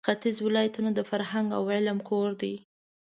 ختیځ ولایتونه د فرهنګ او علم کور دی.